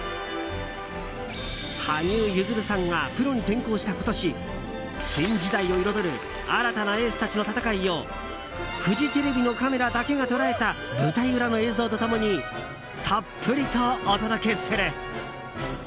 羽生結弦さんがプロに転向した今年新時代を彩る新たなエースたちの戦いをフジテレビのカメラだけが捉えた舞台裏の映像と共にたっぷりとお届けする。